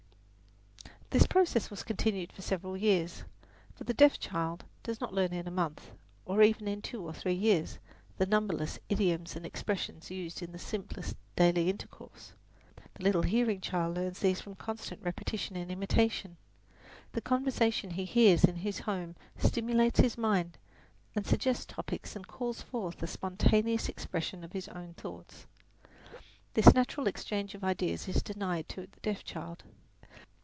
This process was continued for several years; for the deaf child does not learn in a month, or even in two or three years, the numberless idioms and expressions used in the simplest daily intercourse. The little hearing child learns these from constant repetition and imitation. The conversation he hears in his home stimulates his mind and suggests topics and calls forth the spontaneous expression of his own thoughts. This natural exchange of ideas is denied to the deaf child.